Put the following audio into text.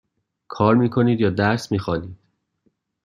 کار می کنید یا درس می خوانید؟